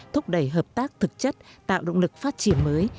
thúc đẩy hợp tác thực chất tạo động lực phát triển mới